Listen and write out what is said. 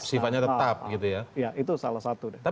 sifatnya tetap gitu ya